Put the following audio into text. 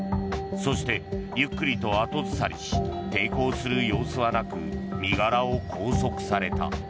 そして、ゆっくりと後ずさりし抵抗する様子はなく身柄を拘束された。